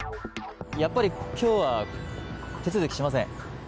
やっぱりきょうは手続きしません。